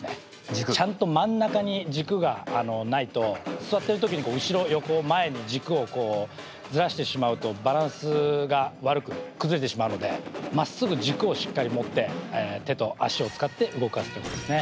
ちゃんと真ん中に軸がないと座ってる時に後ろ横前に軸をこうずらしてしまうとバランスが悪く崩れてしまうのでまっすぐ軸をしっかり持って手と足を使って動かすということですね。